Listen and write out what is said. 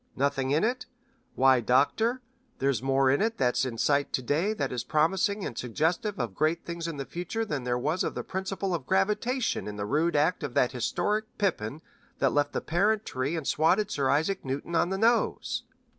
Nothing in it? Why, Doctor, there's more in it that's in sight to day that is promising and suggestive of great things in the future than there was of the principle of gravitation in the rude act of that historic pippin that left the parent tree and swatted Sir Isaac Newton on the nose."